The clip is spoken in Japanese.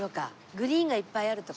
グリーンがいっぱいある所。